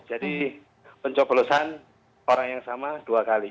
jadi pencoplosan orang yang sama dua kali